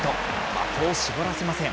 的を絞らせません。